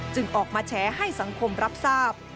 จึงออกมาแชร์ให้สังคมรับทราบ